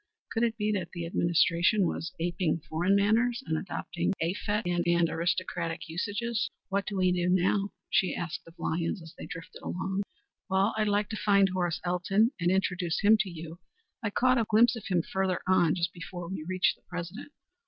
Could it be that the administration was aping foreign manners and adopting effete and aristocratic usages? "What do we do now?" she asked of Lyons as they drifted along. "I'd like to find Horace Elton and introduce him to you. I caught a glimpse of him further on just before we reached the President.